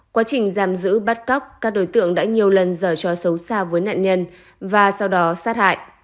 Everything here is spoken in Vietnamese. quá trình giam giữ bắt cóc các đối tượng đã nhiều lần dời cho xấu xa với nạn nhân và sau đó sát hại